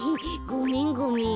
ごめんごめん。